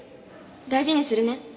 大事にするね。